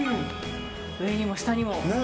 上にも下にも。